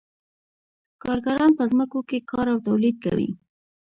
کارګران په ځمکو کې کار او تولید کوي